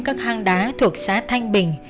các hang đá thuộc xã thanh bình